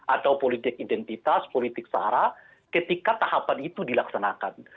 atau politik identitas politik sara ketika tahapan itu dilaksanakan